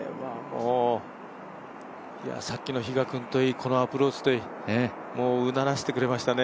さっきの比嘉君といい、このアプローチといい、うならせてくれましたね。